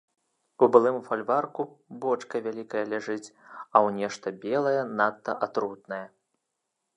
У былым фальварку бочка вялікая ляжыць, а ў нешта белае, надта атрутнае.